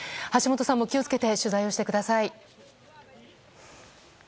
橋本さんも気をつけて取材をしてください。